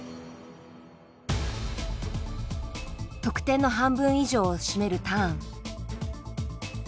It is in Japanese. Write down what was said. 得点の半分以上を占めるターン。